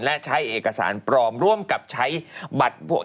และใช้เอกสารปลอมร่วมกับใช้บัตร